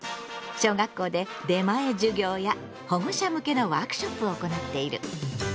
小学校で出前授業や保護者向けのワークショップを行っている。